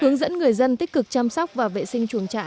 hướng dẫn người dân tích cực chăm sóc và vệ sinh